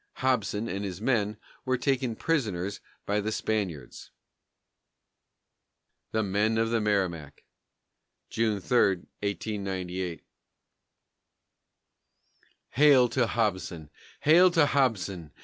Hobson and his men were taken prisoners by the Spaniards. THE MEN OF THE MERRIMAC [June 3, 1898] _Hail to Hobson! Hail to Hobson!